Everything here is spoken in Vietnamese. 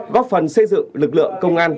góp phần xây dựng lực lượng công an